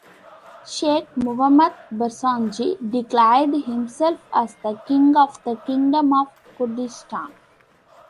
Sheikh Mahmud Barzanji declared himself as the King of the Kingdom of Kurdistan.